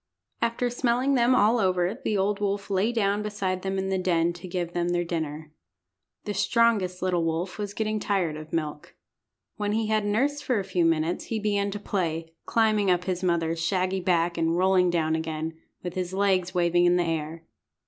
After smelling them all over the old wolf lay down beside them in the den to give them their dinner. The strongest little wolf was getting tired of milk. When he had nursed for a few minutes he began to play, climbing up his mother's shaggy back and rolling down again, with his legs waving in the air.